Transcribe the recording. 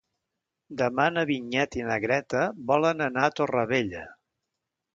Demà na Vinyet i na Greta volen anar a Torrevella.